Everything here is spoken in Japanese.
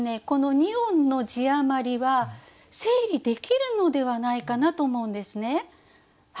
この２音の字余りは整理できるのではないかなと思うんですね。